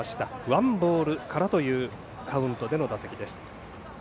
ワンボールからというカウントでの打席です。